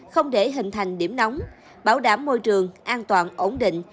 không để hình thành điểm nóng bảo đảm môi trường an toàn ổn định